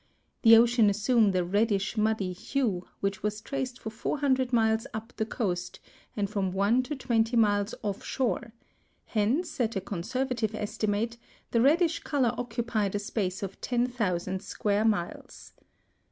The ocean assumed a reddish muddy hue which was traced for four hundred miles up the coast and from one to twenty miles offshore; hence, at a conservative estimate, the reddish color occupied a space of ten thousand square miles.